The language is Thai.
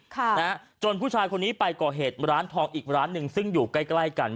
ค่ะนะฮะจนผู้ชายคนนี้ไปก่อเหตุร้านทองอีกร้านหนึ่งซึ่งอยู่ใกล้ใกล้กัน